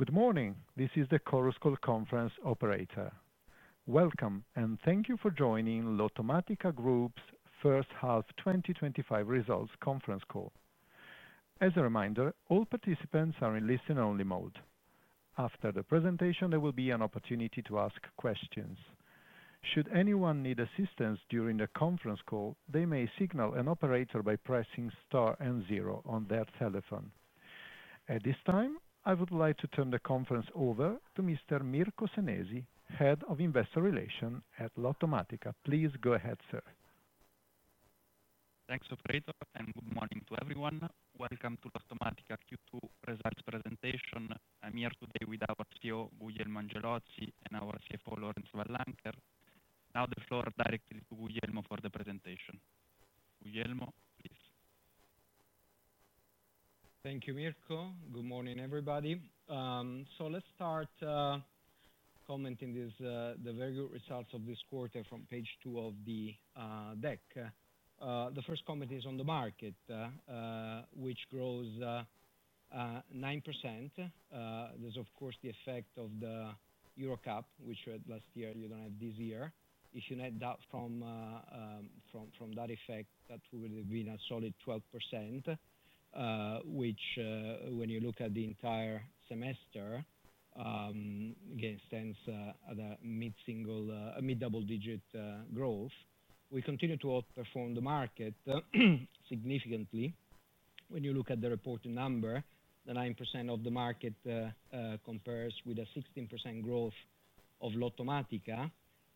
Good morning. This is the [chorus] call conference operator. Welcome and thank you for joining Lottomatica Group S.p.A.'s first half 2025 results conference call. As a reminder, all participants are in listen-only mode. After the presentation, there will be an opportunity to ask questions. Should anyone need assistance during the conference call, they may signal an operator by pressing star and zero on their telephone. At this time, I would like to turn the conference over to Mr. Mirko Senesi, Head of Investor Relations at Lottomatica Group S.p.A. Please go ahead, sir. Thanks, operator, and good morning to everyone. Welcome to Lottomatica Q2 results presentation. I'm here today with our CEO, Guglielmo Angelozzi, and our CFO, Laurence Van Lancker. Now the floor is directed to Guglielmo for the presentation. Guglielmo, please. Thank you, Mirko. Good morning, everybody. Let's start commenting on the very good results of this quarter from page two of the deck. The first comment is on the market, which grows 9%. There's, of course, the effect of the Euro Cup, which you had last year, you don't have this year. If you add that from that effect, that would have been a solid 12%, which when you look at the entire semester, again, stands at a mid-double-digit growth. We continue to outperform the market significantly. When you look at the reported number, the 9% of the market compares with a 16% growth of Lottomatica,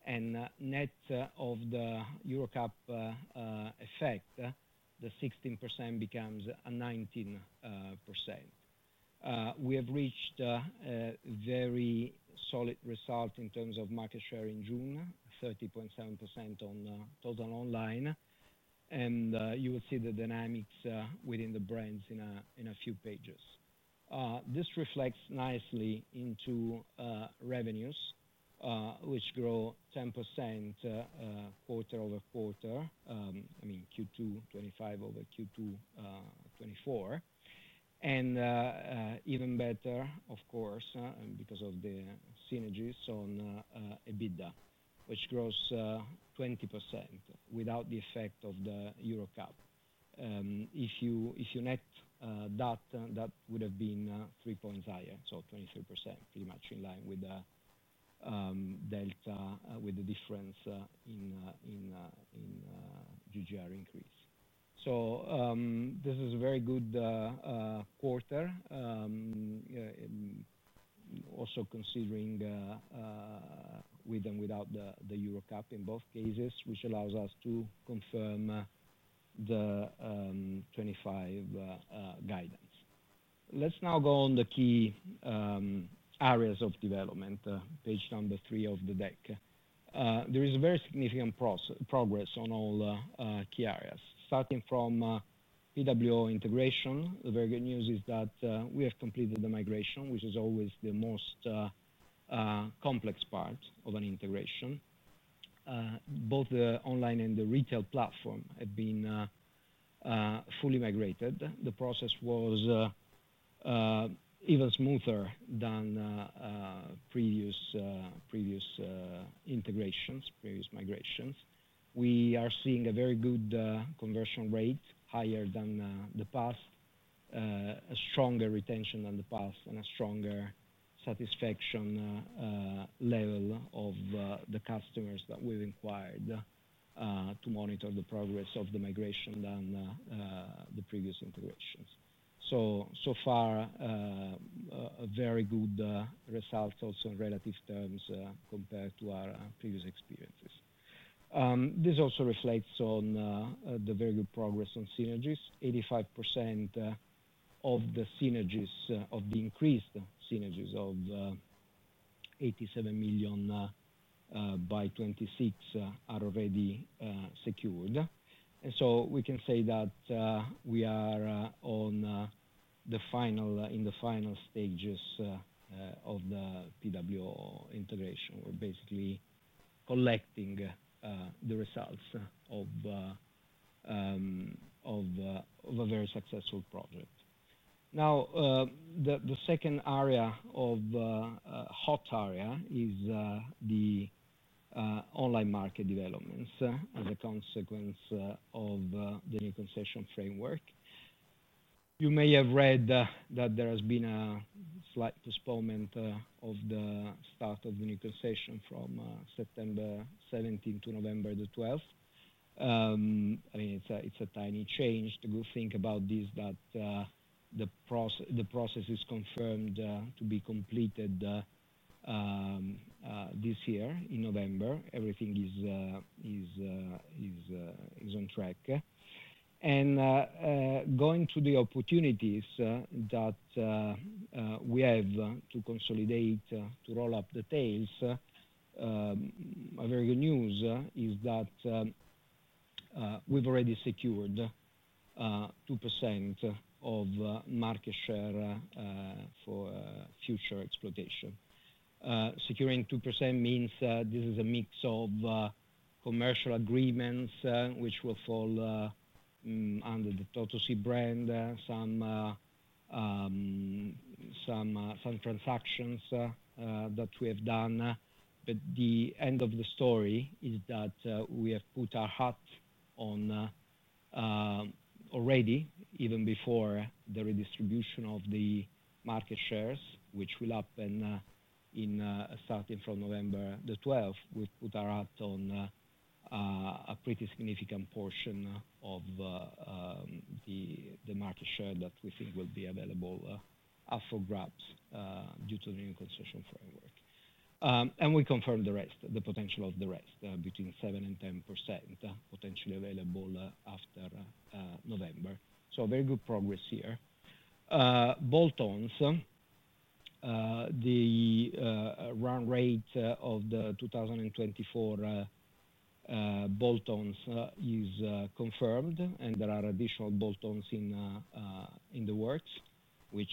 and net of the Euro Cup effect, the 16% becomes a 19%. We have reached a very solid result in terms of market share in June, 30.7% on total online, and you will see the dynamics within the brands in a few pages. This reflects nicely into revenues, which grow 10% quarter-over-quarter, I mean Q2 2025 over Q2 2024. Even better, of course, because of the synergies on EBITDA, which grows 20% without the effect of the Euro Cup. If you net that, that would have been three points higher, so 23%, pretty much in line with the difference in GGR increase. This is a very good quarter, also considering with and without the Euro Cup in both cases, which allows us to confirm the 2025 guidance. Let's now go on the key areas of development, page number three of the deck. There is very significant progress on all key areas. Starting from PWO integration, the very good news is that we have completed the migration, which is always the most complex part of an integration. Both the online and the retail platform have been fully migrated. The process was even smoother than previous integrations, previous migrations. We are seeing a very good conversion rate, higher than the past, a stronger retention than the past, and a stronger satisfaction level of the customers that we've inquired to monitor the progress of the migration than the previous integrations. So far, a very good result also in relative terms compared to our previous experiences. This also reflects on the very good progress on synergies. 85% of the synergies, of the increased synergies of 87 million by 2026, are already secured. We can say that we are in the final stages of the PWO integration. We're basically collecting the results of a very successful project. The second area of hot area is the online market developments as a consequence of the new concession framework. You may have read that there has been a slight postponement of the start of the new concession from September 17 to November 12. I mean, it's a tiny change. The good thing about this is that the process is confirmed to be completed this year in November. Everything is on track. Going to the opportunities that we have to consolidate, to roll up the tails, very good news is that we've already secured 2% of market share for future exploitation. Securing 2% means this is a mix of commercial agreements, which will fall under the Totosi brand, some transactions that we have done. The end of the story is that we have put our hat on already, even before the redistribution of the market shares, which will happen starting from November 12. We've put our hat on a pretty significant portion of the market share that we think will be available for grabs due to the new concession framework. We confirmed the rest, the potential of the rest, between 7%-10% potentially available after November. Very good progress here. Bolt-ons, the run rate of the 2024 bolt-ons is confirmed, and there are additional bolt-ons in the works, which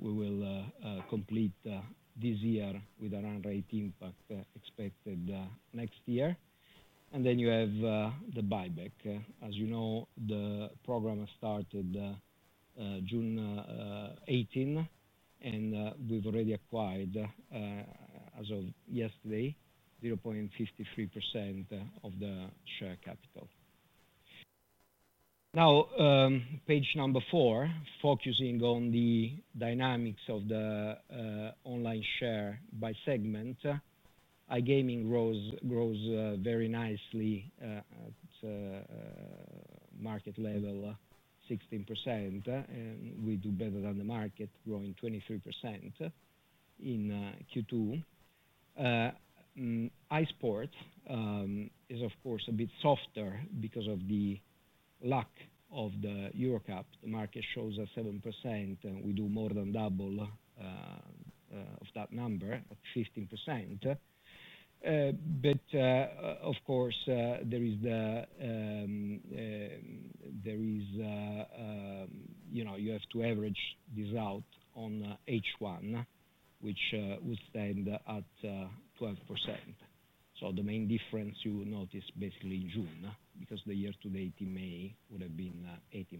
we will complete this year with a run rate impact expected next year. You have the buyback. As you know, the program has started June 18, and we've already acquired, as of yesterday, 0.53% of the share capital. Now, page number four, focusing on the dynamics of the online share by segment. iGaming grows very nicely at market level, 16%, and we do better than the market, growing 23% in Q2. iSports is, of course, a bit softer because of the lack of the Euro Cup. The market shows us 7%, and we do more than double that number, 15%. Of course, you have to average this out on H1, which would stand at 12%. The main difference you notice basically in June because the year-to-date in May would have been 18%.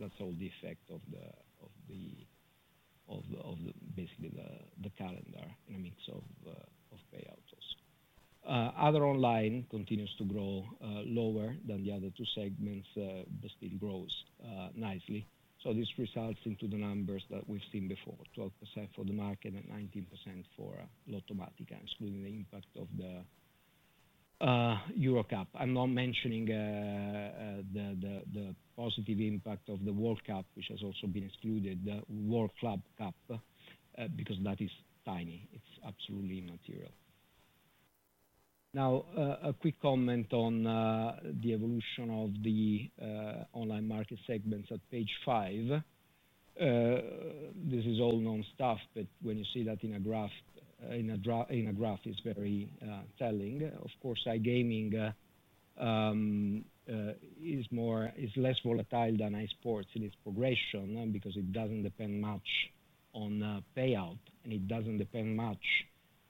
That's all the effect of basically the calendar and a mix of payouts also. Other online continues to grow lower than the other two segments, but still grows nicely. This results into the numbers that we've seen before, 12% for the market and 19% for Lottomatica, excluding the impact of the Euro Cup. I'm not mentioning the positive impact of the World Cup, which has also been excluded, the World Club Cup, because that is tiny. It's absolutely immaterial. Now, a quick comment on the evolution of the online market segments at page five. This is all non-stuff, but when you see that in a graph, it's very telling. Of course, iGaming is less volatile than iSports in its progression because it doesn't depend much on payout, and it doesn't depend much,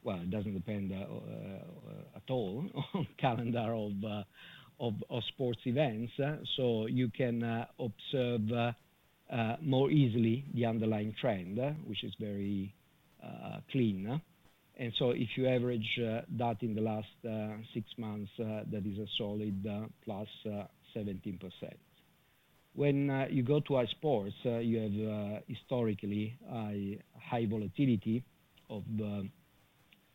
well, it doesn't depend at all on the calendar of sports events. You can observe more easily the underlying trend, which is very clean. If you average that in the last six months, that is a solid +17%. When you go to iSports, you have historically high volatility of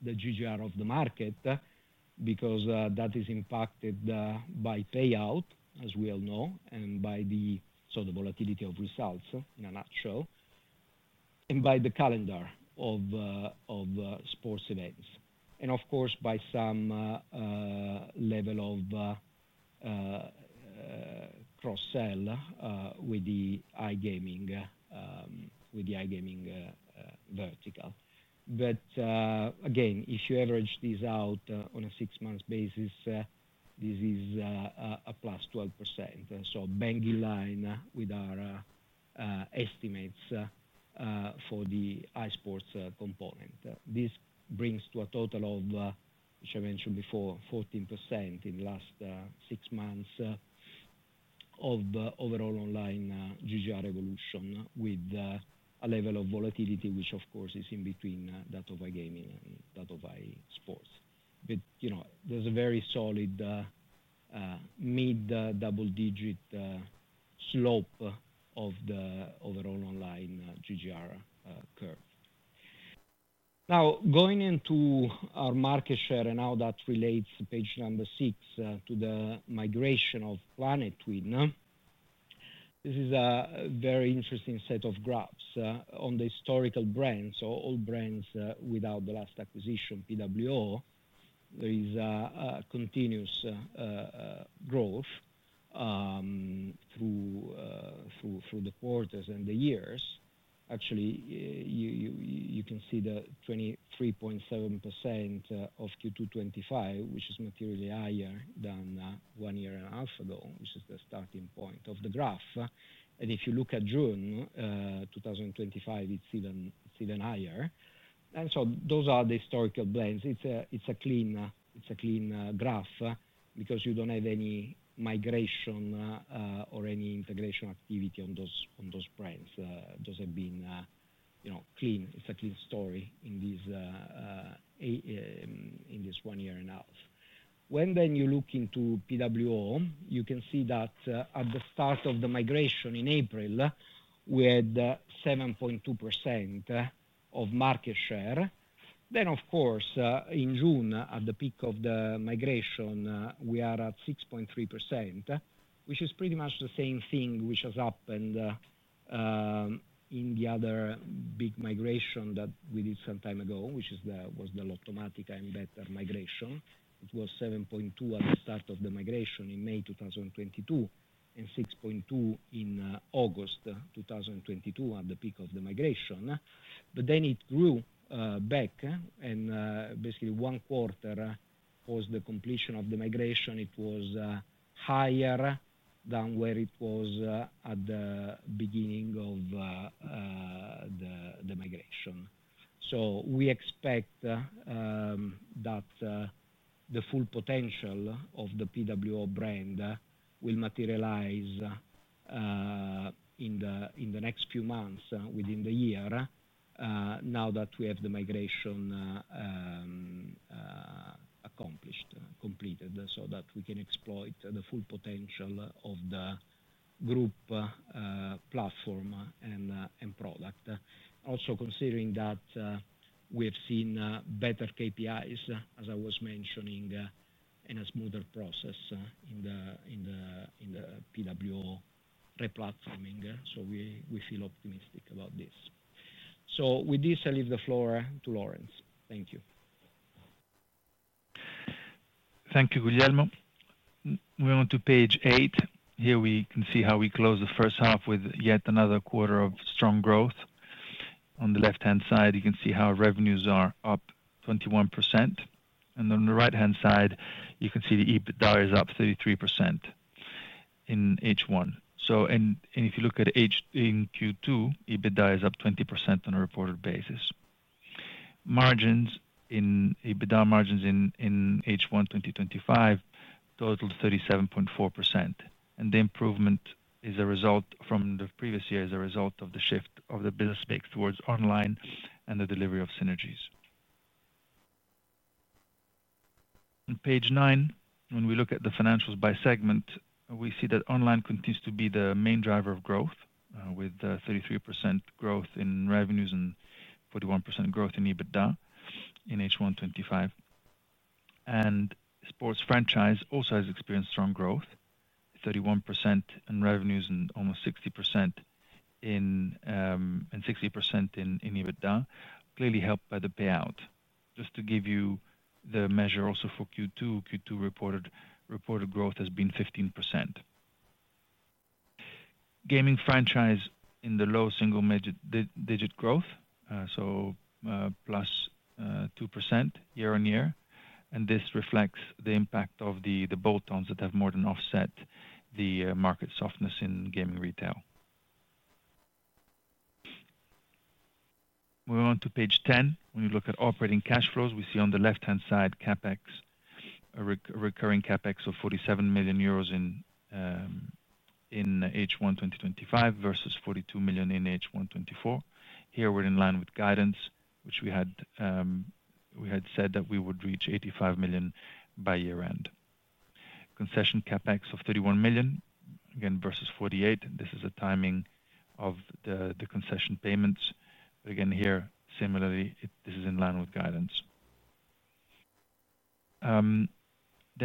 the GGR of the market because that is impacted by payout, as we all know, and by the volatility of results in a nutshell, and by the calendar of sports events. Of course, by some level of cross-sell with the iGaming vertical. If you average this out on a six-month basis, this is a +12%. Bang in line with our estimates for the iSports component. This brings to a total of, which I mentioned before, 14% in the last six months of overall online GGR evolution with a level of volatility, which is in between that of iGaming and that of iSports. There's a very solid mid-double-digit slope of the overall online GGR curve. Now going into our market share and how that relates, page number six, to the migration of Planetwin. This is a very interesting set of graphs on the historical brands, all brands without the last acquisition, PWO. There is a continuous growth through the quarters and the years. Actually, you can see the 23.7% of Q2 2025, which is materially higher than one year and a half ago, which is the starting point of the graph. If you look at June 2025, it's even higher. Those are the historical brands. It's a clean graph because you don't have any migration or any integration activity on those brands. Those have been clean. It's a clean story in this one year and a half. When you look into PWO, you can see that at the start of the migration in April, we had 7.2% of market share. In June, at the peak of the migration, we are at 6.3%, which is pretty much the same thing which has happened in the other big migration that we did some time ago, which was the Lottomatica Embedded Migration. It was 7.2% at the start of the migration in May 2022 and 6.2% in August 2022 at the peak of the migration. It grew back, and basically one quarter post the completion of the migration, it was higher than where it was at the beginning of the migration. We expect that the full potential of the PWO brand will materialize in the next few months within the year, now that we have the migration accomplished, completed, so that we can exploit the full potential of the group platform and product. Also, considering that we have seen better KPIs, as I was mentioning, and a smoother process in the PWO replatforming, we feel optimistic about this. With this, I leave the floor to Laurence. Thank you. Thank you, Guglielmo. Moving on to page eight. Here we can see how we close the first half with yet another quarter of strong growth. On the left-hand side, you can see how revenues are up 21%. On the right-hand side, you can see the EBITDA is up 33% in H1. If you look at H in Q2, EBITDA is up 20% on a reported basis. EBITDA margins in H1 2025 total 37.4%. The improvement is a result from the previous year as a result of the shift of the business mix towards online and the delivery of synergies. On page nine, when we look at the financials by segment, we see that online continues to be the main driver of growth, with 33% growth in revenues and 41% growth in EBITDA in H1 2025. Sports franchise also has experienced strong growth, 31% in revenues and almost 60% in EBITDA, clearly helped by the payout. Just to give you the measure also for Q2, Q2 reported growth has been 15%. Gaming franchise in the low single-digit growth, so +2% year-on-year. This reflects the impact of the bolt-ons that have more than offset the market softness in gaming retail. Moving on to page 10, when you look at operating cash flows, we see on the left-hand side CapEx, a recurring CapEx of 47 million euros in H1 2025 versus 42 million in H1 2024. Here we're in line with guidance, which we had said that we would reach 85 million by year-end. Concession CapEx of 31 million, again versus 48 million. This is the timing of the concession payments. Again here, similarly, this is in line with guidance.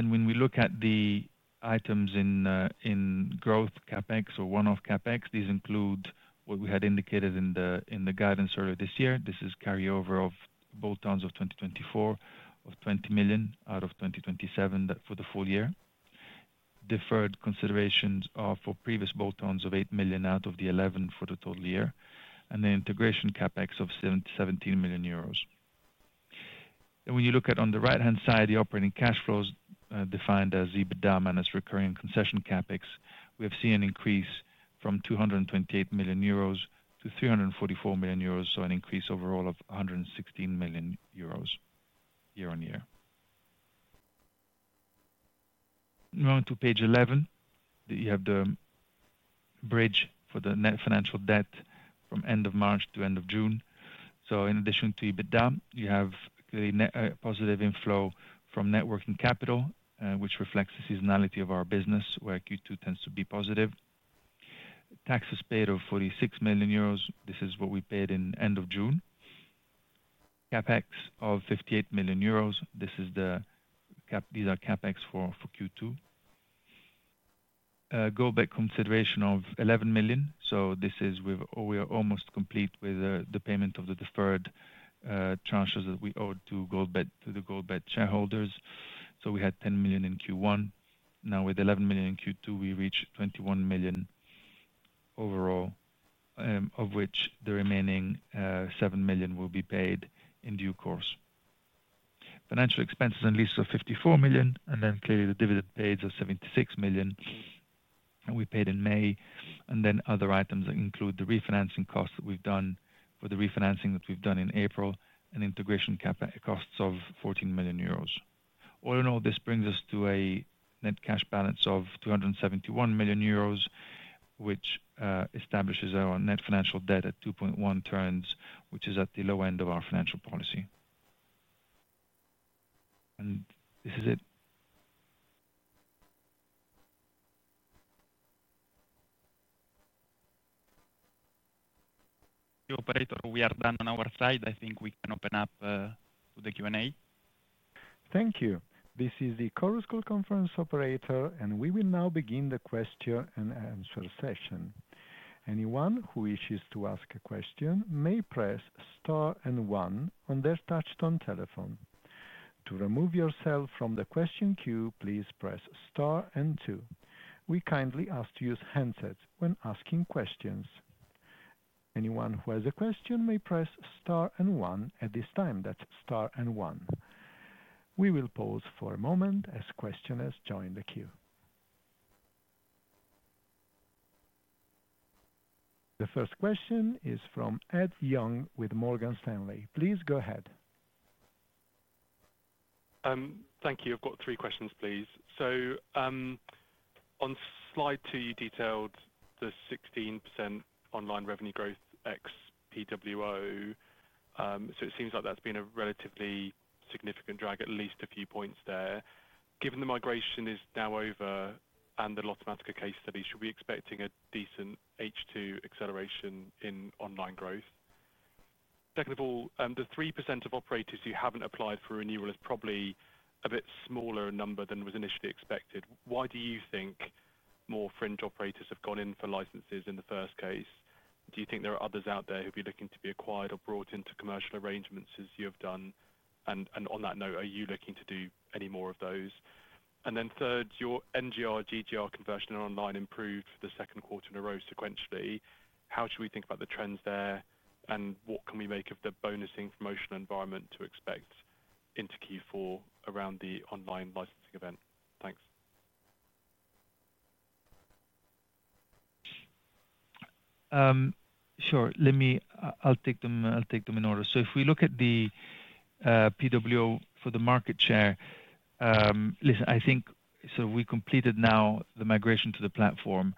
When we look at the items in growth CapEx or one-off CapEx, these include what we had indicated in the guidance earlier this year. This is carryover of bolt-ons of 2024 of 20 million out of 27 million for the full year. Deferred considerations are for previous bolt-ons of 8 million out of the 11 million for the total year. The integration CapEx of 17 million euros. When you look at the right-hand side, the operating cash flows defined as EBITDA minus recurring concession CapEx, we have seen an increase from 228 million euros to 344 million euros, so an increase overall of 116 million euros year-on-year. Moving on to page 11, you have the bridge for the net financial debt from end of March to end of June. In addition to EBITDA, you have a positive inflow from networking capital, which reflects the seasonality of our business, where Q2 tends to be positive. Taxes paid of 46 million euros, this is what we paid at end of June. CapEx of 58 million euros, these are CapEx for Q2. Goldbet consideration of 11 million, so we are almost complete with the payment of the deferred tranches that we owed to the Goldbet shareholders. We had 10 million in Q1. Now with 11 million in Q2, we reach 21 million overall, of which the remaining 7 million will be paid in due course. Financial expenses and leases of 54 million, and clearly the dividend paid of 76 million, which we paid in May. Other items include the refinancing costs that we've done for the refinancing that we've done in April, and integration costs of 14 million euros. All in all, this brings us to a net cash balance of 271 million euros, which establishes our net financial debt at 2.1 turns, which is at the low end of our financial policy. This is it. We are done on our side. I think we can open up to the Q&A. Thank you. This is the call conference operator, and we will now begin the question-and-answer session. Anyone who wishes to ask a question may press star and one on their touch-tone telephone. To remove yourself from the question queue, please press star and two. We kindly ask to use handsets when asking questions. Anyone who has a question may press star and one at this time, that's star and one. We will pause for a moment as questioners join the queue. The first question is from Ed Young with Morgan Stanley. Please go ahead. Thank you. I've got three questions, please. On slide two, you detailed the 16% online revenue growth ex PWO. It seems like that's been a relatively significant drag, at least a few points there. Given the migration is now over and the Lottomatica case study, should we be expecting a decent H2 acceleration in online growth? Second, the 3% of operators who haven't applied for renewal is probably a bit smaller a number than was initially expected. Why do you think more fringe operators have gone in for licenses in the first case? Do you think there are others out there who'd be looking to be acquired or brought into commercial arrangements as you have done? On that note, are you looking to do any more of those? Third, your NGR, GGR conversion and online improved for the second quarter in a row sequentially. How should we think about the trends there? What can we make of the bonusing promotional environment to expect into Q4 around the online licensing event? Thanks. Sure. Let me take them in order. If we look at the PWO for the market share, I think we completed now the migration to the platform.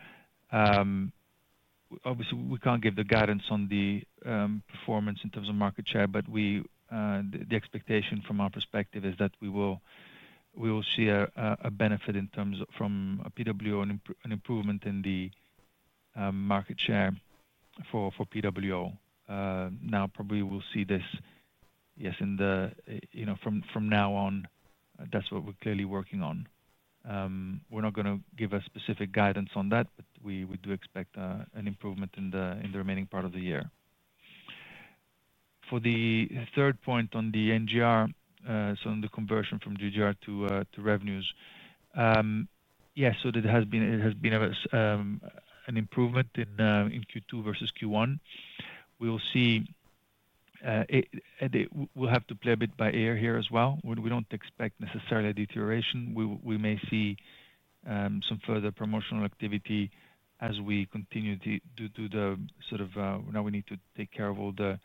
Obviously, we can't give the guidance on the performance in terms of market share, but the expectation from our perspective is that we will see a benefit in terms of from a PWO and an improvement in the market share for PWO. Now, probably we'll see this, yes, from now on, that's what we're clearly working on. We're not going to give a specific guidance on that, but we do expect an improvement in the remaining part of the year. For the third point on the NGR, on the conversion from GGR to revenues, yes, it has been an improvement in Q2 versus Q1. We'll have to play a bit by ear here as well. We don't expect necessarily a deterioration. We may see some further promotional activity as we continue to do the sort of, now we need to take care of all the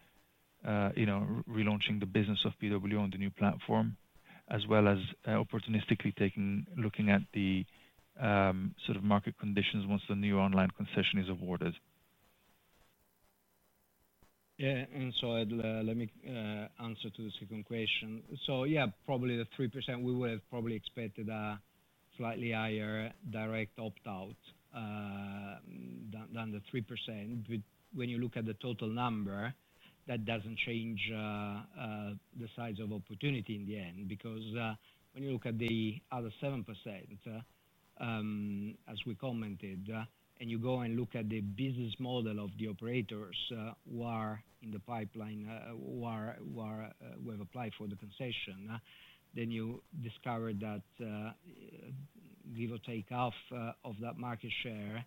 relaunching the business of PWO on the new platform, as well as opportunistically looking at the sort of market conditions once the new online concession is awarded. Let me answer to the second question. Probably the 3%, we would have probably expected a slightly higher direct opt-out than the 3%. When you look at the total number, that doesn't change the size of opportunity in the end because when you look at the other 7%, as we commented, and you go and look at the business model of the operators who are in the pipeline, who have applied for the concession, then you discover that give or take half of that market share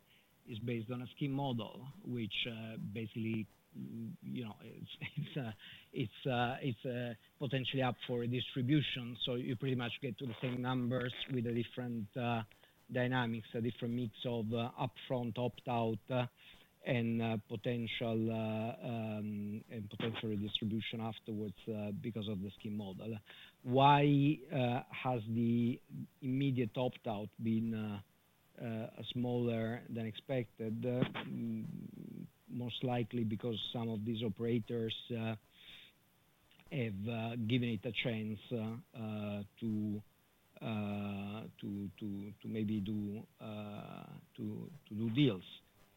is based on a scheme model, which basically, you know, it's potentially up for redistribution. You pretty much get to the same numbers with a different dynamics, a different mix of upfront opt-out and potential redistribution afterwards because of the scheme model. Why has the immediate opt-out been smaller than expected? Most likely because some of these operators have given it a chance to maybe do deals.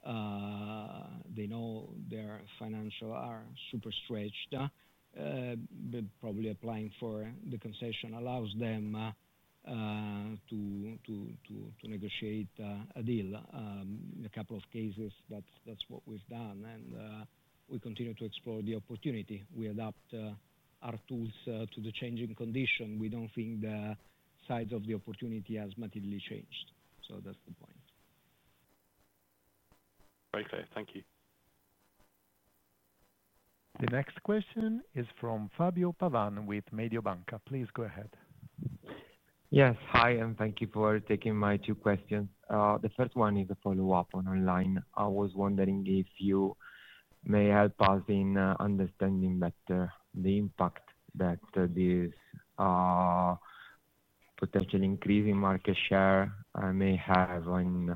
They know their financials are super stretched, but probably applying for the concession allows them to negotiate a deal. In a couple of cases, that's what we've done, and we continue to explore the opportunity. We adapt our tools to the changing condition. We don't think the size of the opportunity has materially changed. That's the point. Okay, thank you. The next question is from Fabio Pavan with Mediobanca. Please go ahead. Yes, hi and thank you for taking my two questions. The first one is a follow-up on online. I was wondering if you may help us in understanding better the impact that this potential increase in market share may have on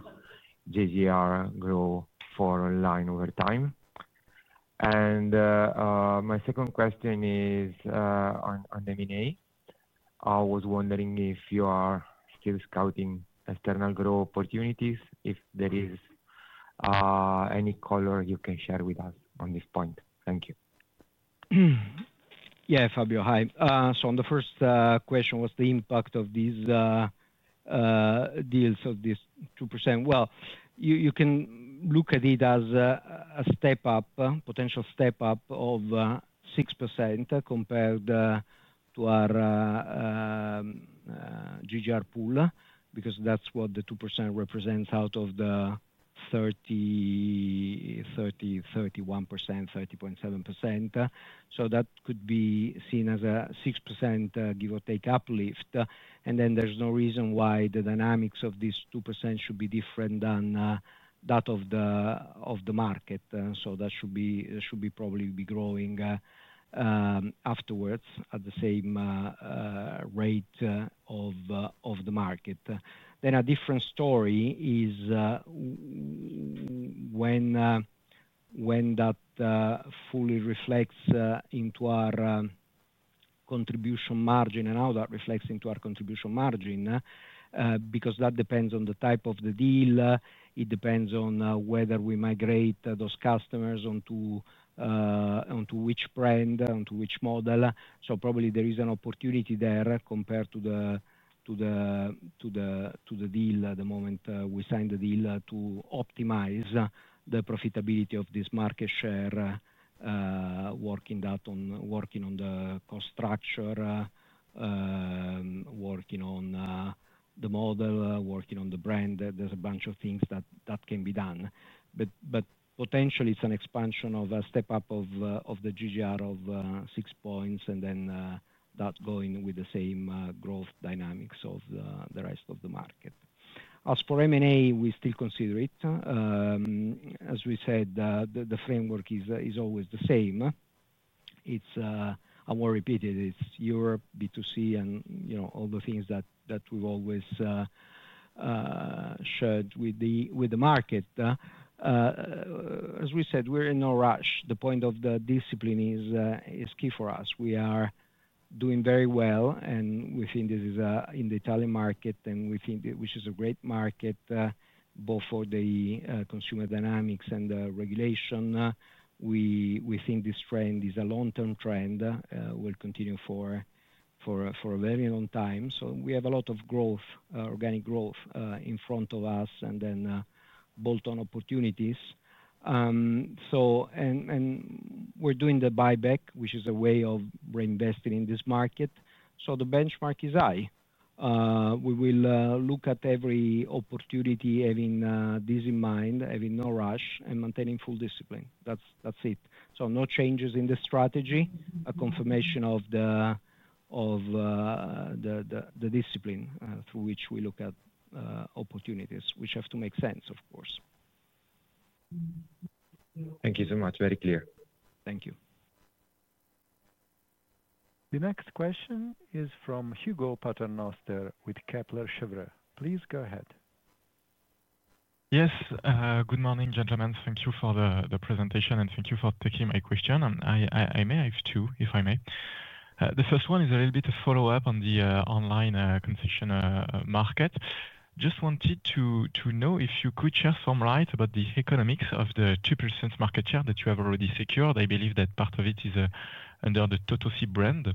GGR growth for online over time. My second question is on M&A. I was wondering if you are still scouting external growth opportunities, if there is any color you can share with us on this point. Thank you. Yeah, Fabio, hi. On the first question, the impact of these deals of this 2%. You can look at it as a step-up, potential step-up of 6% compared to our GGR pool because that's what the 2% represents out of the 30%, 31%, 30.7%. That could be seen as a 6% give or take uplift. There's no reason why the dynamics of this 2% should be different than that of the market. That should be probably growing afterwards at the same rate of the market. A different story is when that fully reflects into our contribution margin and how that reflects into our contribution margin because that depends on the type of the deal. It depends on whether we migrate those customers onto which brand, onto which model. Probably there is an opportunity there compared to the deal at the moment we signed the deal to optimize the profitability of this market share, working on the cost structure, working on the model, working on the brand. There's a bunch of things that can be done. Potentially, it's an expansion of a step-up of the GGR of six points and then that going with the same growth dynamics of the rest of the market. As for M&A, we still consider it. As we said, the framework is always the same. I won't repeat it. It's Europe, B2C, and all the things that we've always shared with the market. As we said, we're in no rush. The point of the discipline is key for us. We are doing very well, and we think this is in the Italian market, which is a great market both for the consumer dynamics and the regulation. We think this trend is a long-term trend. We'll continue for a very long time. We have a lot of growth, organic growth in front of us, and then bolt-on opportunities. We're doing the buyback, which is a way of reinvesting in this market. The benchmark is high. We will look at every opportunity having this in mind, having no rush, and maintaining full discipline. That's it. No changes in the strategy, a confirmation of the discipline through which we look at opportunities, which have to make sense, of course. Thank you so much. Very clear. Thank you. The next question is from Hugo Paternoster with Kepler Cheuvreux. Please go ahead. Yes, good morning, gentlemen. Thank you for the presentation and thank you for taking my question. I may have two, if I may. The first one is a little bit of follow-up on the online concession market. Just wanted to know if you could share some write-up about the economics of the 2% market share that you have already secured. I believe that part of it is under the Totosi brand.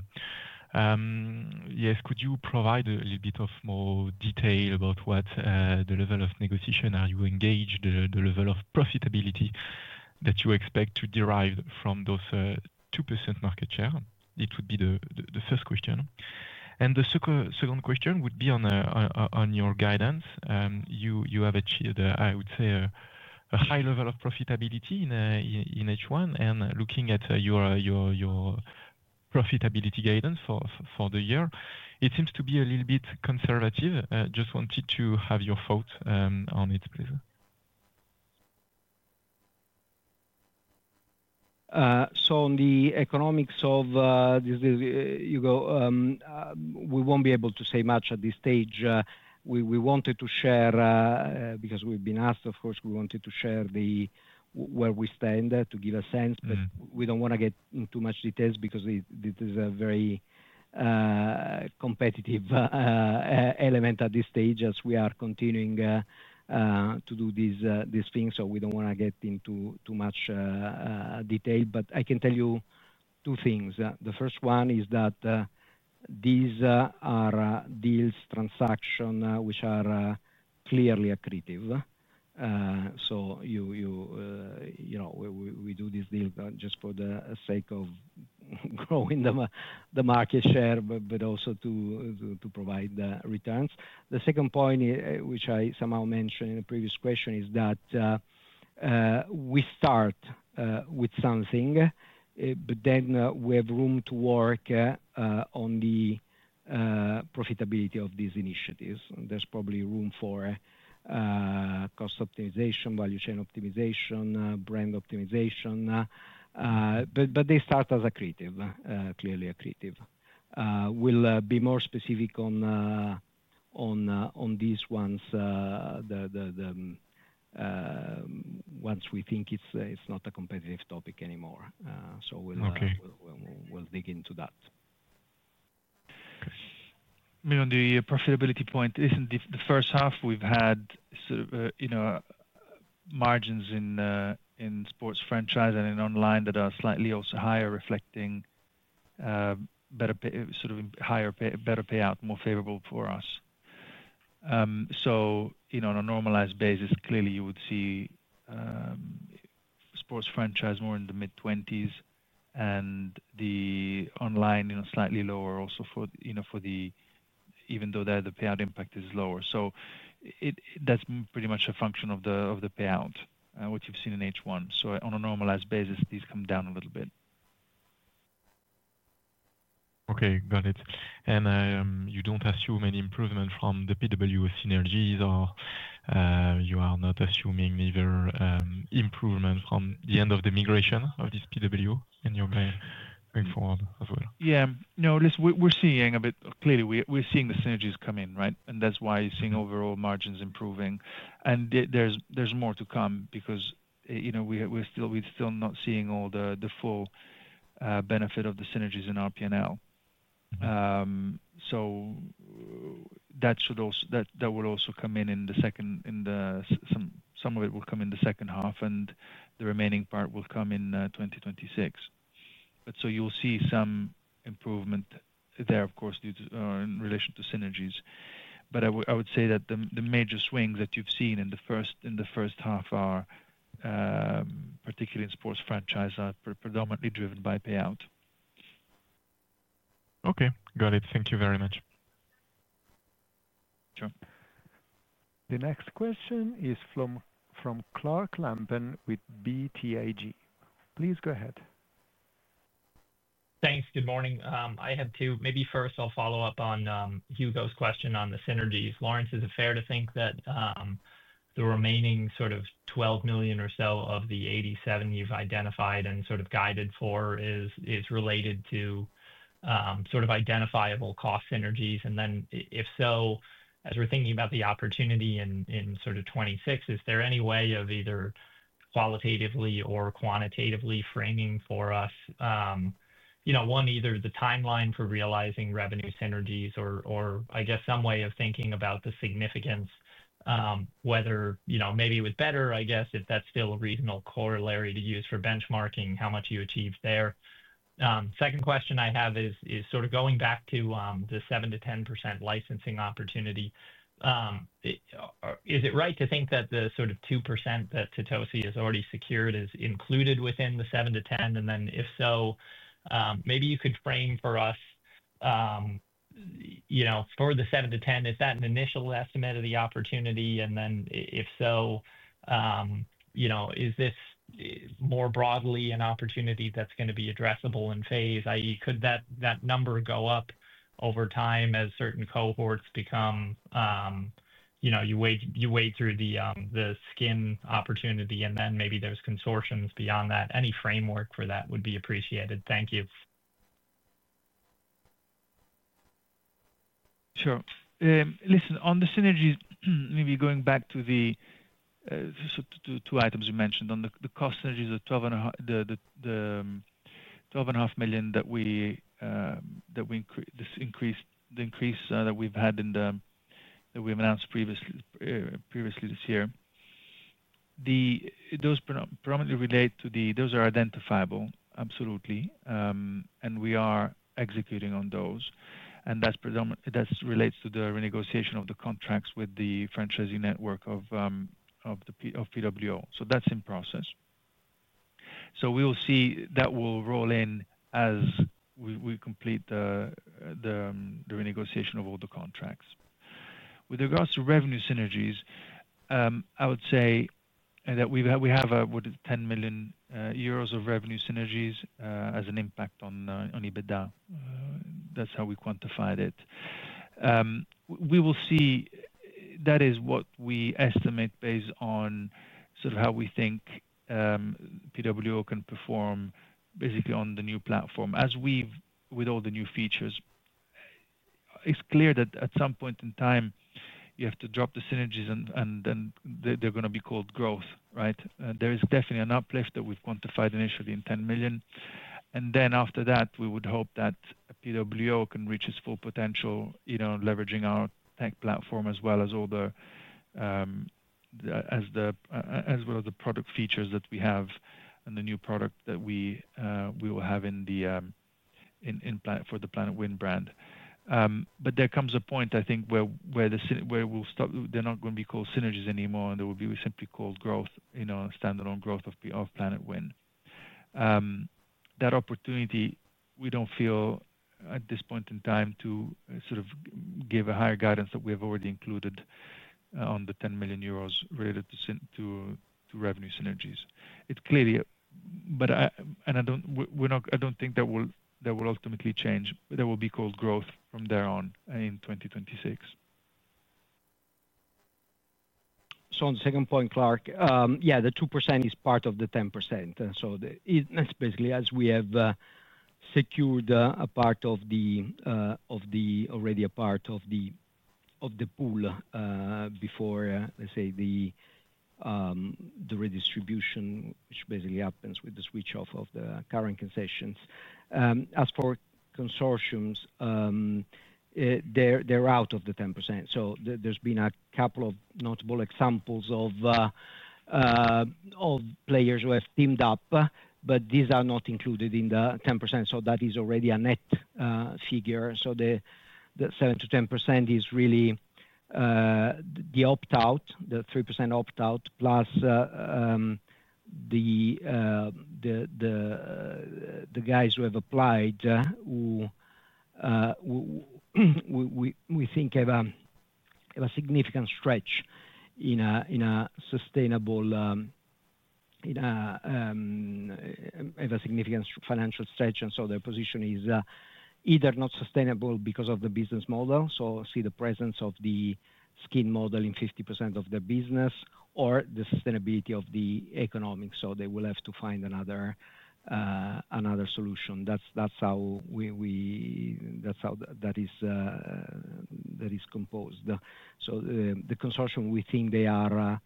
Yes, could you provide a little bit more detail about what the level of negotiation are you engaged, the level of profitability that you expect to derive from those 2% market share? It would be the first question. The second question would be on your guidance. You have achieved, I would say, a high level of profitability in H1 and looking at your profitability guidance for the year. It seems to be a little bit conservative. I just wanted to have your thoughts on it, please. On the economics of this, we won't be able to say much at this stage. We wanted to share because we've been asked, of course, we wanted to share where we stand to give a sense, but we don't want to get into too much detail because this is a very competitive element at this stage as we are continuing to do these things. We don't want to get into too much detail. I can tell you two things. The first one is that these are deals, transactions which are clearly accretive. We do this deal just for the sake of growing the market share, but also to provide the returns. The second point, which I somehow mentioned in a previous question, is that we start with something, but then we have room to work on the profitability of these initiatives. There's probably room for cost optimization, value chain optimization, brand optimization. They start as accretive, clearly accretive. We'll be more specific on these ones once we think it's not a competitive topic anymore. We'll dig into that. I mean, on the profitability point, in the first half we've had sort of margins in sports franchise and in online that are slightly also higher, reflecting sort of higher bettor payout, more favorable for us. On a normalized basis, clearly you would see sports franchise more in the mid-20% and the online slightly lower also, even though the payout impact is lower. That's pretty much a function of the payout, which you've seen in H1. On a normalized basis, these come down a little bit. Okay, got it. You don't assume any improvement from the PWO synergies, or you are not assuming either improvement from the end of the migration of this PWO in your mind going forward as well? Yeah, no, listen, we're seeing a bit, clearly we're seeing the synergies come in, right? That's why you're seeing overall margins improving. There's more to come because, you know, we're still not seeing all the full benefit of the synergies in RPNL. That should also, that will also come in in the second, some of it will come in the second half and the remaining part will come in 2026. You'll see some improvement there, of course, due to in relation to synergies. I would say that the major swings that you've seen in the first half are, particularly in sports franchise, are predominantly driven by payout. Okay, got it. Thank you very much. Sure. The next question is from Clark Lampen with BTIG. Please go ahead. Thanks. Good morning. I have two. Maybe first I'll follow up on Hugo's question on the synergies. Laurence, is it fair to think that the remaining sort of 12 million or so of the 87 million you've identified and guided for is related to identifiable cost synergies? If so, as we're thinking about the opportunity in 2026, is there any way of either qualitatively or quantitatively framing for us, one, either the timeline for realizing revenue synergies or, I guess, some way of thinking about the significance, whether, maybe it was better, I guess, if that's still a reasonable corollary to use for benchmarking how much you achieved there. Second question I have is going back to the 7%-10% licensing opportunity. Is it right to think that the 2% that Totosi has already secured is included within the 7%-10%? If so, maybe you could frame for us, for the 7%-10%, is that an initial estimate of the opportunity? If so, is this more broadly an opportunity that's going to be addressable in phase, i.e., could that number go up over time as certain cohorts become, you wade through the skin opportunity and then maybe there's consortiums beyond that? Any framework for that would be appreciated. Thank you. Sure. Listen, on the synergies, maybe going back to the two items you mentioned, on the cost synergies of 12.5 million that we increased, the increase that we've had in the, that we've announced previously this year, those predominantly relate to the, those are identifiable, absolutely. We are executing on those. That relates to the renegotiation of the contracts with the franchising network of PWO. That's in process. We will see that will roll in as we complete the renegotiation of all the contracts. With regards to revenue synergies, I would say that we have a, what is, 10 million euros of revenue synergies as an impact on EBITDA. That's how we quantified it. We will see, that is what we estimate based on sort of how we think PWO can perform basically on the new platform. As we've, with all the new features, it's clear that at some point in time, you have to drop the synergies and then they're going to be called growth, right? There is definitely an uplift that we've quantified initially in €10 million. After that, we would hope that PWO can reach its full potential, leveraging our tech platform as well as all the, as well as the product features that we have and the new product that we will have for the Planetwin365 brand. There comes a point, I think, where we'll stop, they're not going to be called synergies anymore, and they will be simply called growth, you know, standalone growth of Planetwin365. That opportunity, we don't feel at this point in time to sort of give a higher guidance that we have already included on the 10 million euros related to revenue synergies. It clearly, I don't think that will ultimately change. That will be called growth from there on in 2026. On the second point, Clark, the 2% is part of the 10%. That's basically as we have secured already a part of the pool before, let's say, the redistribution, which happens with the switch-off of the current concessions. As for consortiums, they're out of the 10%. There have been a couple of notable examples of players who have teamed up, but these are not included in the 10%. That is already a net figure. The 7%-10% is really the opt-out, the 3% opt-out, plus the guys who have applied, who we think have a significant stretch in a sustainable, have a significant financial stretch. Their position is either not sustainable because of the business model, for example, the presence of the skin model in 50% of their business, or the sustainability of the economics. They will have to find another solution. That's how that is composed. The consortium, we think they are,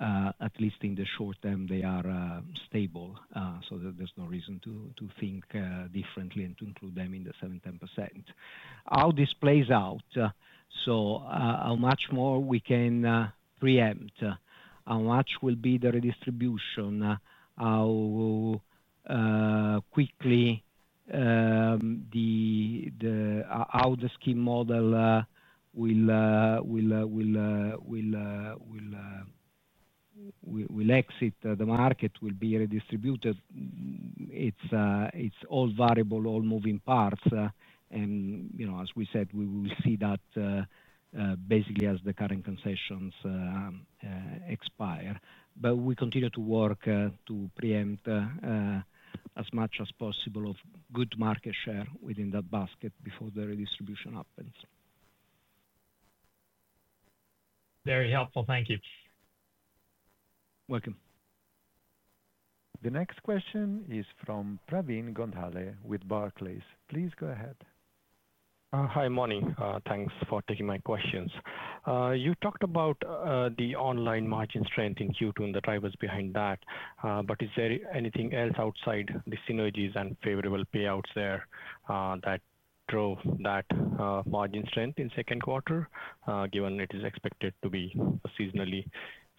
at least in the short term, stable. There is no reason to think differently and to include them in the 7%-10%. How this plays out, how much more we can preempt, how much will be the redistribution, how quickly the skin model will exit the market, will be redistributed, it's all variable, all moving parts. As we said, we will see that as the current concessions expire. We continue to work to preempt as much as possible of good market share within that basket before the redistribution happens. Very helpful. Thank you. Welcome. The next question is from Pavin Gondhale with Barclays. Please go ahead. Hi, Moni. Thanks for taking my questions. You talked about the online margin strength in Q2 and the drivers behind that. Is there anything else outside the synergies and favorable payouts there that drove that margin strength in the second quarter, given it is expected to be a seasonally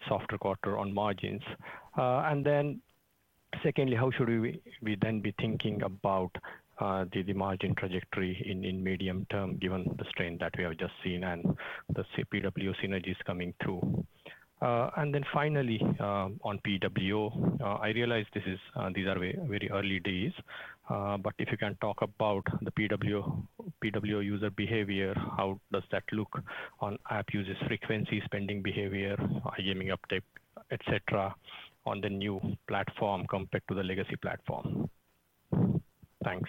softer quarter on margins? Secondly, how should we then be thinking about the margin trajectory in the medium term, given the strain that we have just seen and the PWO synergies coming through? Finally, on PWO, I realize these are very early days, but if you can talk about the PWO user behavior, how does that look on app users' frequency, spending behavior, gaming uptake, etc., on the new platform compared to the legacy platform? Thanks.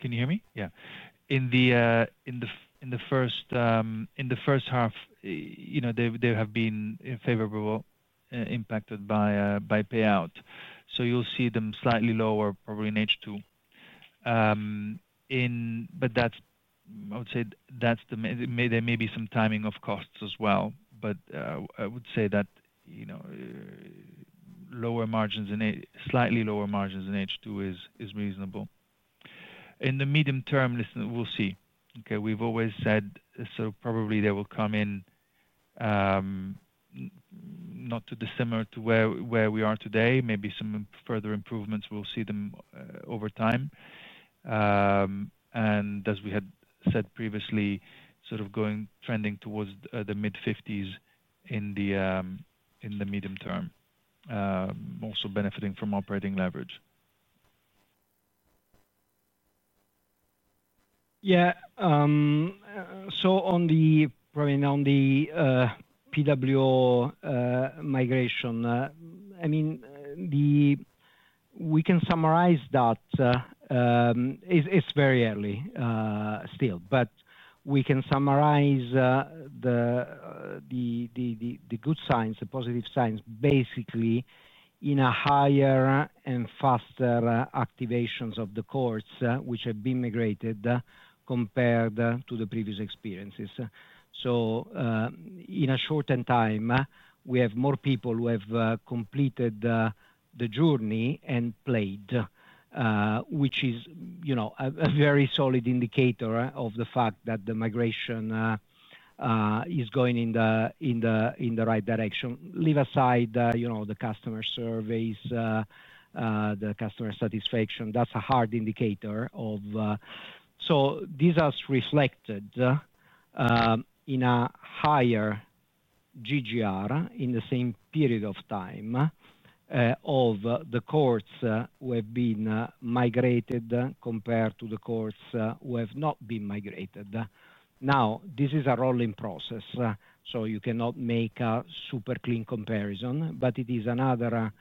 Can you hear me? Yeah. In the first half, they have been favorably impacted by payout. You'll see them slightly lower, probably in H2. That's, I would say, maybe there may be some timing of costs as well. I would say that lower margins in H2 is reasonable. In the medium term, listen, we'll see. We've always said, so probably they will come in not too dissimilar to where we are today. Maybe some further improvements, we'll see them over time. As we had said previously, trending towards the mid-50% in the medium term, also benefiting from operating leverage. Yeah. On the PWO migration, we can summarize that. It's very early still, but we can summarize the good signs, the positive signs, basically in a higher and faster activations of the cords, which have been migrated compared to the previous experiences. In a short time, we have more people who have completed the journey and played, which is a very solid indicator of the fact that the migration is going in the right direction. Leave aside the customer surveys, the customer satisfaction. That's a hard indicator. These are reflected in a higher GGR in the same period of time of the cords who have been migrated compared to the cords who have not been migrated. Now, this is a rolling process. You cannot make a super clean comparison, but it is another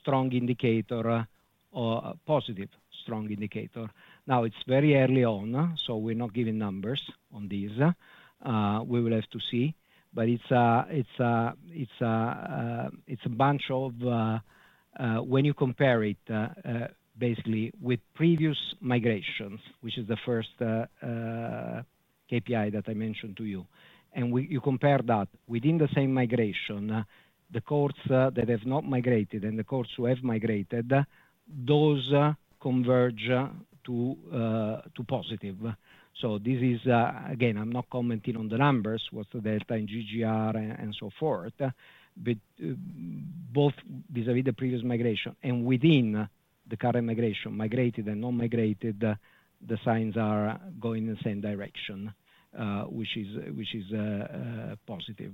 strong indicator, a positive strong indicator. It's very early on, so we're not giving numbers on these. We will have to see. It's a bunch of, when you compare it basically with previous migrations, which is the first KPI that I mentioned to you, and you compare that within the same migration, the cords that have not migrated and the cords who have migrated, those converge to positive. This is, again, I'm not commenting on the numbers, what's the delta in GGR and so forth, but both vis-à-vis the previous migration and within the current migration, migrated and non-migrated, the signs are going in the same direction, which is positive.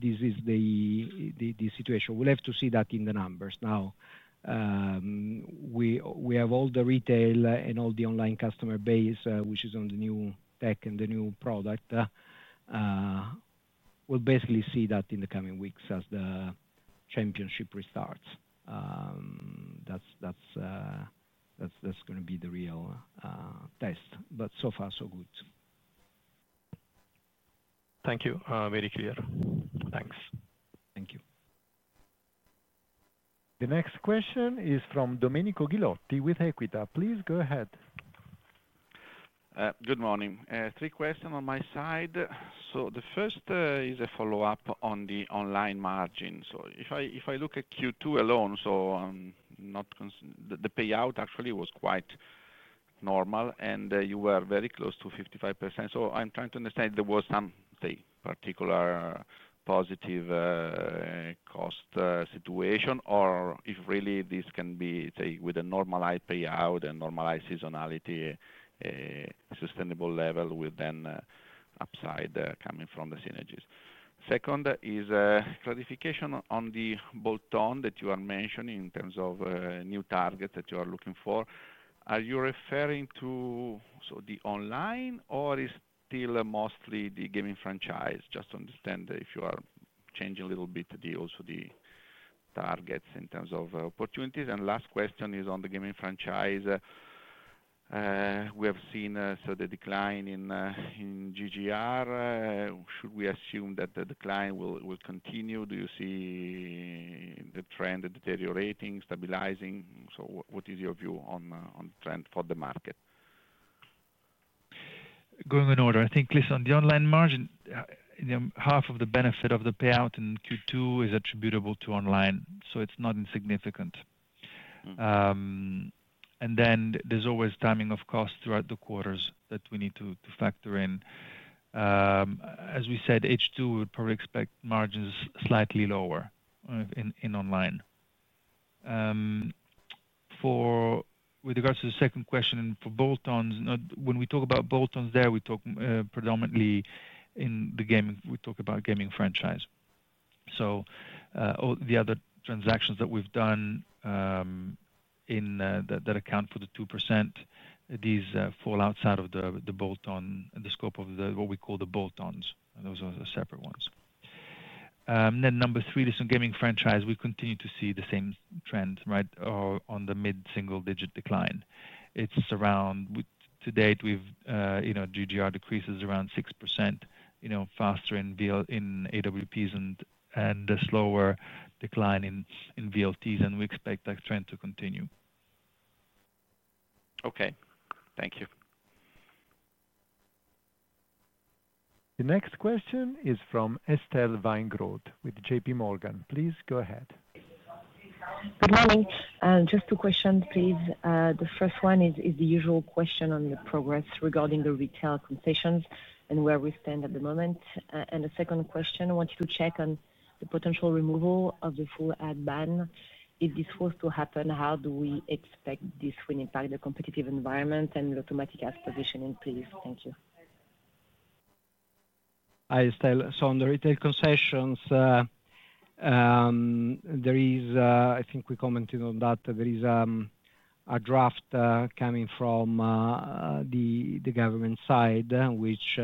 This is the situation. We'll have to see that in the numbers. Now, we have all the retail and all the online customer base, which is on the new tech and the new product. We'll basically see that in the coming weeks as the championship restarts. That's going to be the real test, but so far, so good. Thank you. Very clear. Thanks. Thank you. The next question is from Domenico Ghilotti with EQUITA Please go ahead. Good morning. Three questions on my side. The first is a follow-up on the online margin. If I look at Q2 alone, the payout actually was quite normal and you were very close to 55%. I'm trying to understand if there was some particular positive cost situation or if this can be, with a normalized payout and normalized seasonality, a sustainable level with upside coming from the synergies. Second is a clarification on the bolt-on that you are mentioning in terms of new targets that you are looking for. Are you referring to the online or is it still mostly the gaming franchise? I want to understand if you are changing a little bit the targets in terms of opportunities. Last question is on the gaming franchise. We have seen the decline in GGR. Should we assume that the decline will continue? Do you see the trend deteriorating or stabilizing? What is your view on the trend for the market? Going in order, I think, listen, on the online margin, half of the benefit of the payout in Q2 is attributable to online. It's not insignificant. There's always timing of costs throughout the quarters that we need to factor in. As we said, H2 would probably expect margins slightly lower in online. With regards to the second question and for bolt-ons, when we talk about bolt-ons there, we talk predominantly in the gaming. We talk about gaming franchise. All the other transactions that we've done in that account for the 2%, these fall outside of the bolt-on and the scope of what we call the bolt-ons. Those are separate ones. Number three, this gaming franchise, we continue to see the same trend, right, on the mid-single-digit decline. It's around, to date, we've, you know, GGR decreases around 6%, faster in Amusement With Prizes and a slower decline in Video Lottery Terminals. We expect that trend to continue. Okay, thank you. The next question is from Estelle Weingrod with JPMorgan. Please go ahead. Good morning. Just two questions, please. The first one is the usual question on the progress regarding the retail concessions and where we stand at the moment. The second question, I want you to check on the potential removal of the full ad ban. If this was to happen, how do we expect this will impact the competitive environment and the Lottomatica ads positioning, please? Thank you. Hi, Estelle. On the retail concessions, I think we commented on that. There is a draft coming from the government side, which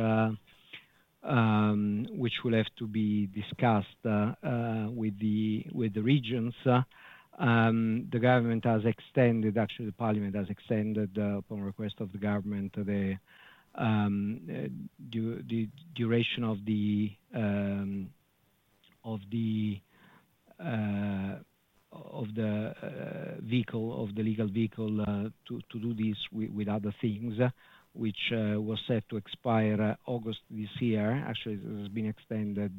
will have to be discussed with the regions. The government has extended, actually, the parliament has extended upon request of the government the duration of the vehicle, of the legal vehicle to do this with other things, which was set to expire August this year. It has been extended,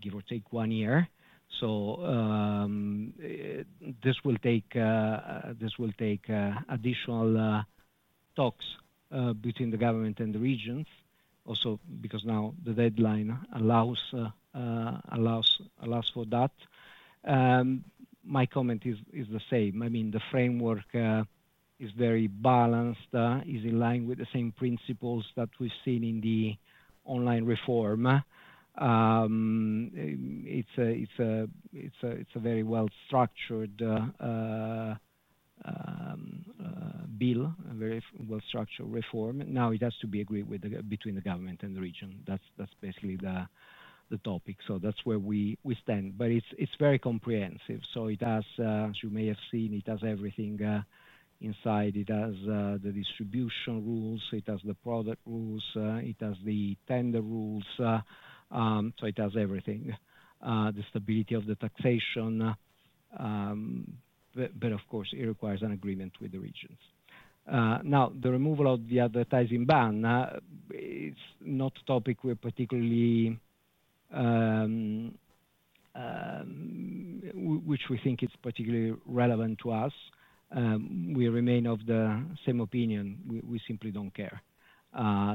give or take one year. This will take additional talks between the government and the regions, also because now the deadline allows for that. My comment is the same. The framework is very balanced, is in line with the same principles that we've seen in the online reform. It's a very well-structured bill, a very well-structured reform. It has to be agreed between the government and the region. That's basically the topic. That's where we stand. It's very comprehensive. As you may have seen, it has everything inside. It has the distribution rules, it has the product rules, it has the tender rules. It has everything. The stability of the taxation. Of course, it requires an agreement with the regions. The removal of the advertising ban, it's not a topic which we think is particularly relevant to us. We remain of the same opinion. We simply don't care.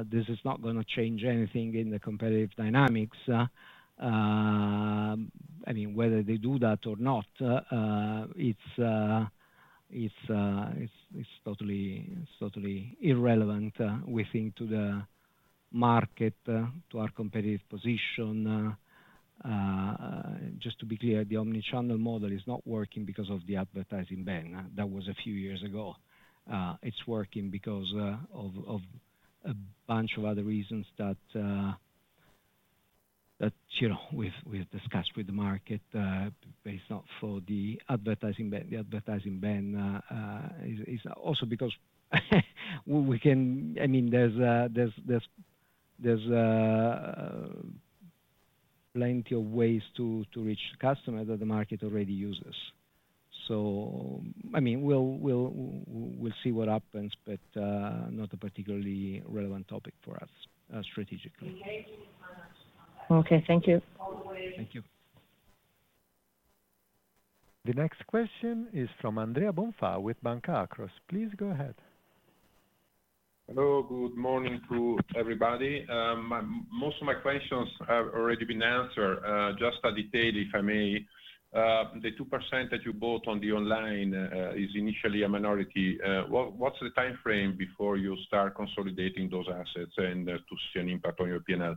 This is not going to change anything in the competitive dynamics. Whether they do that or not, it's totally irrelevant, we think, to the market, to our competitive position. Just to be clear, the omnichannel model is not working because of the advertising ban. That was a few years ago. It's working because of a bunch of other reasons that we've discussed with the market, but it's not for the advertising ban. The advertising ban is also because we can, there's plenty of ways to reach the customer that the market already uses. We'll see what happens, but not a particularly relevant topic for us strategically. Okay, thank you. Thank you. The next question is from Andrea Bonfà with Bancacross. Please go ahead. Hello, good morning to everybody. Most of my questions have already been answered. Just a detail, if I may, the 2% that you bought on the online is initially a minority. What's the timeframe before you start consolidating those assets and to see an impact on your P&L?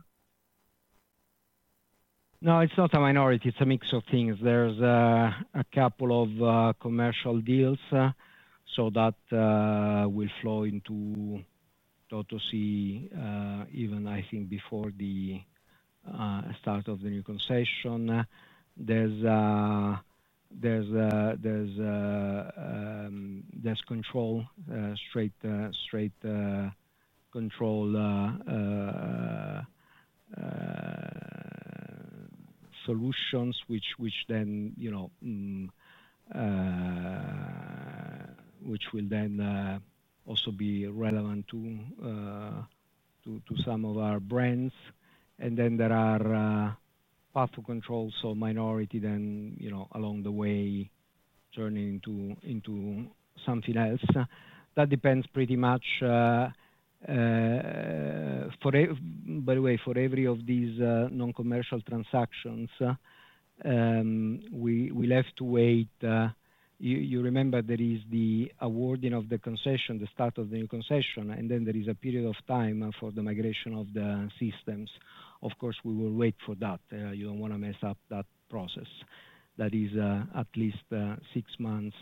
No, it's not a minority. It's a mix of things. There's a couple of commercial deals, so that will flow into Totosi even, I think, before the start of the new concession. There's control, straight control solutions, which will then also be relevant to some of our brands. There are part of control, so minority then, you know, along the way, turning into something else. That depends pretty much. By the way, for every one of these non-commercial transactions, we'll have to wait. You remember there is the awarding of the concession, the start of the new concession, and then there is a period of time for the migration of the systems. Of course, we will wait for that. You don't want to mess up that process. That is at least six months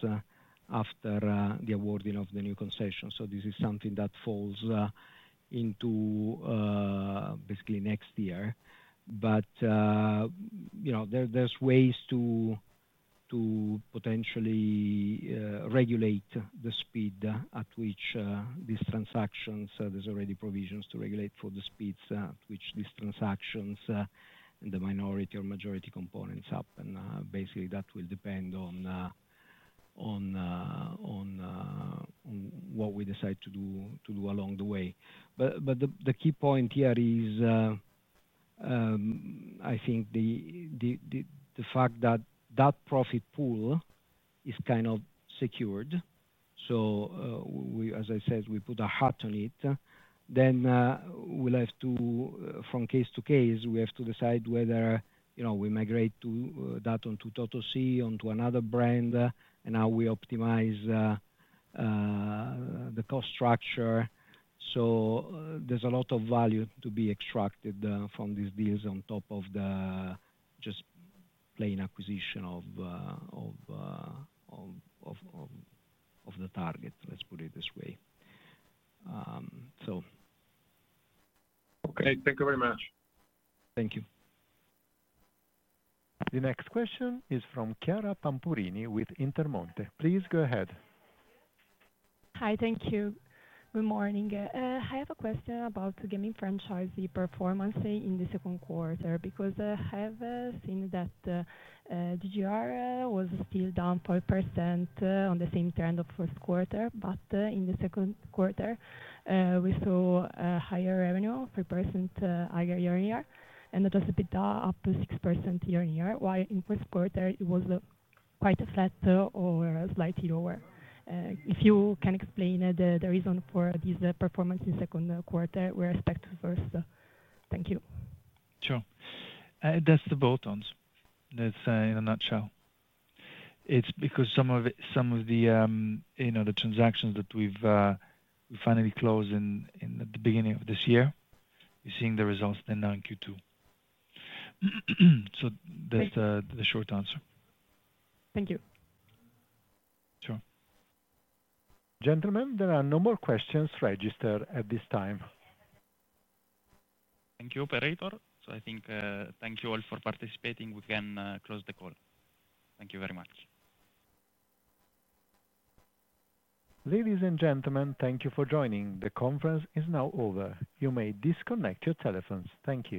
after the awarding of the new concession. This is something that falls into basically next year. There's ways to potentially regulate the speed at which these transactions, there's already provisions to regulate for the speeds at which these transactions and the minority or majority components happen. That will depend on what we decide to do along the way. The key point here is, I think, the fact that that profit pool is kind of secured. We, as I said, we put a hat on it. Then we'll have to, from case to case, decide whether, you know, we migrate that onto Totosi, onto another brand, and how we optimize the cost structure. There's a lot of value to be extracted from these deals on top of the just plain acquisition of the target, let's put it this way. Okay, thank you very much. Thank you. The next question is from Chiara Pampurini with Intermonte. Please go ahead. Hi, thank you. Good morning. I have a question about gaming franchisee performance in the second quarter because I have seen that GGR was still down 5% on the same trend of first quarter, but in the second quarter, we saw a higher revenue, 3% higher year-on-year, and the EBITDA up 6% year-on-year, while in first quarter it was quite flat or slightly lower. If you can explain the reason for this performance in the second quarter with respect to first, thank you. Sure. That's the bolt-ons, that's in a nutshell. It's because some of the transactions that we've finally closed at the beginning of this year, you're seeing the results now in Q2. That's the short answer. Thank you. Sure. Gentlemen, there are no more questions registered at this time. Thank you, operator. Thank you all for participating. We can close the call. Thank you very much. Ladies and gentlemen, thank you for joining. The conference is now over. You may disconnect your telephones. Thank you.